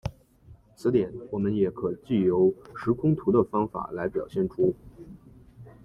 此点我们也可藉由时空图的方法来表现出。